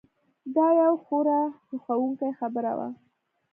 دا یو خورا هیښوونکې خبره وه.